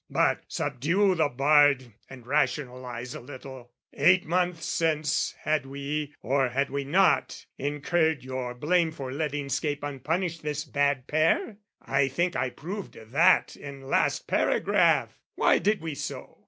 But subdue the bard And rationalise a little: eight months since, Had we, or had we not, incurred your blame For letting 'scape unpunished this bad pair? I think I proved that in last paragraph! Why did we so?